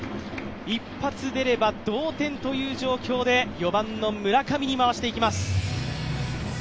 一発出れば同点という状況で４番の村上に回していきます。